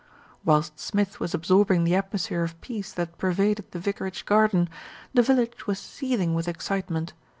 Whilst Smith was absorbing the atmosphere of peace that pervaded the vicarage garden, the village was seething with excitement.